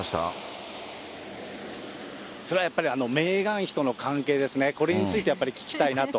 それはやっぱり、メーガン妃との関係ですね、これについてはやっぱり聞きたいなと。